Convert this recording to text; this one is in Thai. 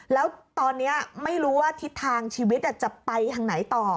แล้วตอนนี้ไม่รู้ว่าทิศทางชีวิตจะไปทางไหนต่อ